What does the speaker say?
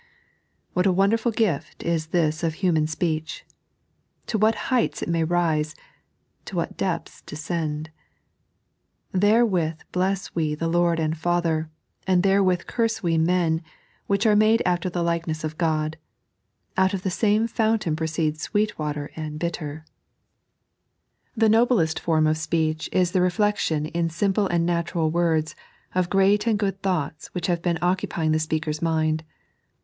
What a wonderful gift is this of human speech. To what heights it may rise, to what depths descend. "There with bless we the Lord and Father, and therewith curse we men, which are made after the likeness of Ood. Out of the same fountain proceed sweet water and bitter." 3.n.iized by Google 68 SiMPLicm IN Speech. The noblest form of speech is the reflection in dinple and natural words of great and good thooghts which have been occupying the speaker's mind.